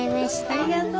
ありがとう。